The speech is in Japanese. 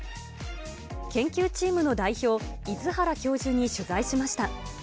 研究チームの代表、出原教授に取材しました。